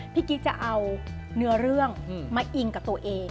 กิ๊กจะเอาเนื้อเรื่องมาอิงกับตัวเอง